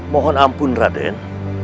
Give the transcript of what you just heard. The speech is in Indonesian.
mohon ampun raden